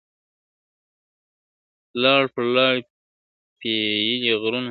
لاړ پر لاړ پېيلي غرونه ..